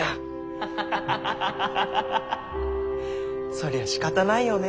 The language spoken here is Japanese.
そりゃしかたないよね。